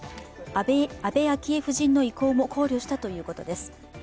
安倍昭恵夫人意向も考慮したということです。